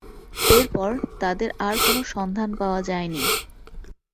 এরপর তাদের আর কোনো সন্ধান পাওয়া যায়নি।